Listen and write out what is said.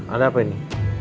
ada apa ini